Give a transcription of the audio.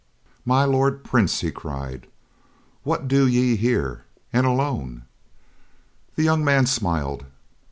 "My Lord Prince," he cried. "What do ye here, and alone?" The young man smiled.